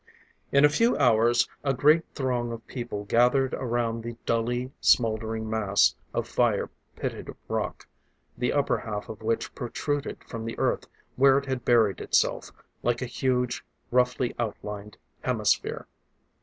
In a few hours a great throng of people gathered around the dully smoldering mass of fire pitted rock, the upper half of which protruded from the Earth where it had buried itself, like a huge, roughly outlined hemisphere.